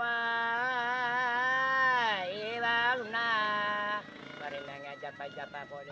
anda bisa mengambilnya dengan kekuatan yang lain